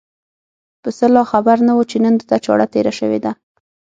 پسه لا خبر نه و چې نن ده ته چاړه تېره شوې ده.